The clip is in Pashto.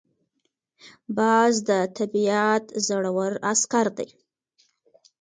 باز د طبیعت زړور عسکر دی